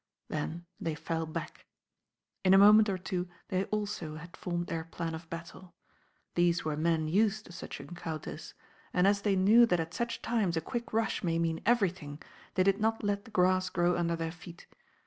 Then they fell back. In a moment or two they also had formed their plan of battle. These were men used to such encounters; and as they knew that at such times a quick rush may mean everything, they did not let the grass grow under their feet.